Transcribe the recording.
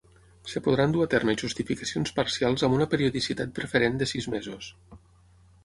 Es podran dur a terme justificacions parcials amb una periodicitat preferent de sis mesos.